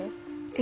え？